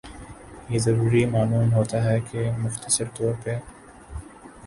یہ ضروری معلوم ہوتا ہے کہ مختصر طور پر